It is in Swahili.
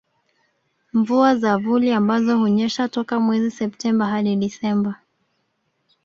Mvua za vuli ambazo hunyesha toka mwezi Septemba hadi Desemba